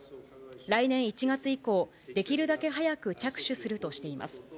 来年１月以降、できるだけ早く着手するとしています。